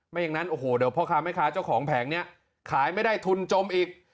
อย่างนั้นโอ้โหเดี๋ยวพ่อค้าแม่ค้าเจ้าของแผงนี้ขายไม่ได้ทุนจมอีก